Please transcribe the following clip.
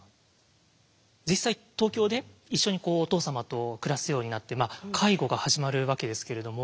実際東京で一緒にお父様と暮らすようになって介護が始まるわけですけれども。